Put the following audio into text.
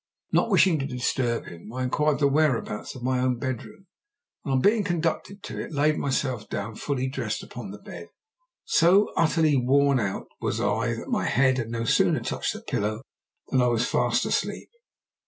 Not wishing to disturb him, I inquired the whereabouts of my own bedroom, and on being conducted to it, laid myself down fully dressed upon the bed. So utterly worn out was I, that my head had no sooner touched the pillow than I was fast asleep.